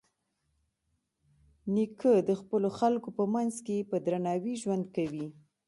نیکه د خپلو خلکو په منځ کې په درناوي ژوند کوي.